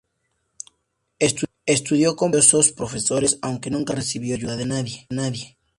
Estudió con prestigiosos profesores aunque nunca recibió ayuda de nadie.